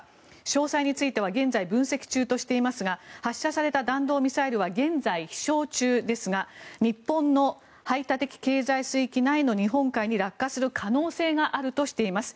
詳細については現在、分析中としていますが発射された弾道ミサイルは現在、飛翔中ですが日本の排他的経済水域内の日本海に落下する可能性があるとしています。